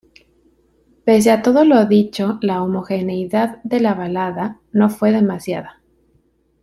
Pese a todo lo dicho la homogeneidad de la balada no fue demasiada.